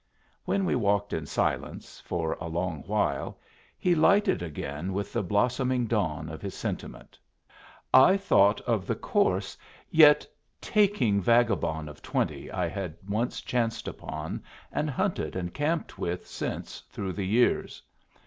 When we walked in silence for a long while, he lighted again with the blossoming dawn of his sentiment. I thought of the coarse yet taking vagabond of twenty I had once chanced upon, and hunted and camped with since through the years.